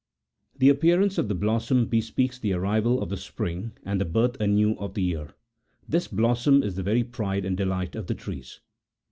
The appearance of the blossom bespeaks the arrival of the spring and the birth anew of the year ; this blossom is the very pride and delight of the trees.